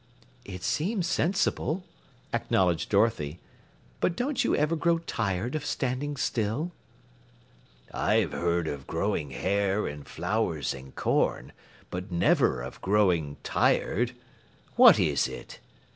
"It seem sensible," acknowledged Dorothy. "But don't you ever grow tired of standing still?" "I've heard of growing hair and flowers and corn, but never of growing tired. What is it?"